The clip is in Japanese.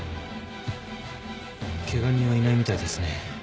ケガ人はいないみたいですね。